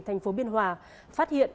thành phố biên hòa phát hiện